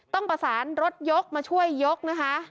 ต้องประสานรถยกมาช่วยยกนะคะ